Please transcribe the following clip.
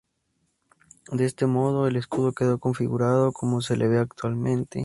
De este modo, el escudo quedó configurado como se lo ve actualmente.